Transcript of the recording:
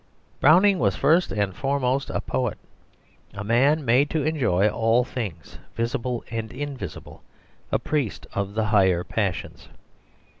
Browning was first and foremost a poet, a man made to enjoy all things visible and invisible, a priest of the higher passions.